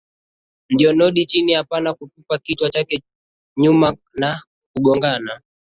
Ndio nod chini hapana kutupa kichwa chako nyuma na kugongana